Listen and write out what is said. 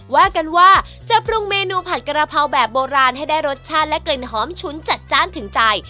ว่ากันว่าจะปรุงเมนูผัดกระเพราแบบโบราณให้ได้รสชาติและกลิ่นหอมฉุนจัดจ้านถึงใจ